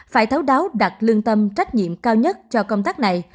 phải thấu đáo đặt lương tâm trách nhiệm cao nhất cho công tác này